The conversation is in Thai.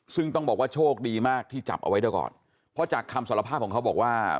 ซึ่งต้องบอกว่าโชคดีมากที่จับเอาไว้ได้ก่อนเพราะจากคำสารภาพของเขาบอกว่า